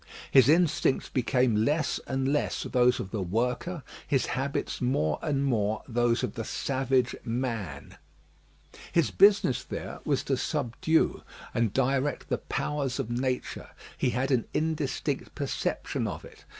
His instincts became less and less those of the worker; his habits more and more those of the savage man. His business there was to subdue and direct the powers of nature. He had an indistinct perception of it.